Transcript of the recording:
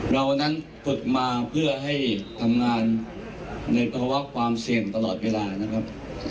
เรานั้นฝึกมาเพื่อให้ทำงานในภาวะความเสี่ยงตลอดเวลานะครับ